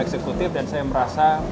eksekutif dan saya merasa